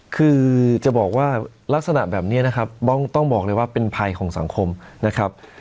คือจะบอกว่าลักษณะแบบนี้นะครับต้องบอกเลยว่าเป็นภัยของสังคมนะครับ